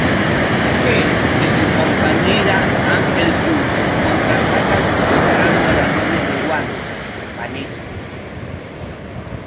Él y su compañera Angel Dust contraatacan secuestrando a la novia de Wade, Vanessa.